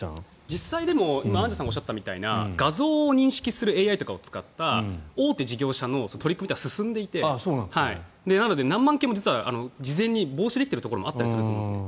実際アンジュさんがおっしゃったみたいな画像を認識するＡＩを使った大手事業者の取り組みは進んでいてなので、何万件も実は事前に防止できているところもあるんです。